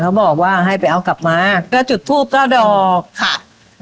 เขาบอกว่าให้ไปเอากลับมาก็จุดทูปเก้าดอกค่ะ